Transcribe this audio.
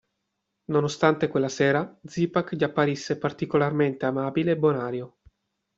Nonostante quella sera Zipak gli apparisse particolarmente amabile e bonario.